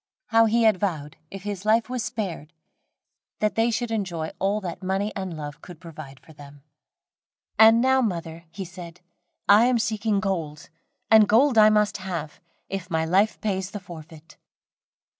How he had vowed, if his life was spared, that they should enjoy all that money and love could provide for them. "And now, mother," he said, "I am seeking gold, and gold I must have, if my life pays the forfeit."